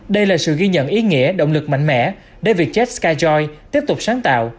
đây là sự ghi nhận ý nghĩa động lực mạnh mẽ để vietjet skyjoy tiếp tục sáng tạo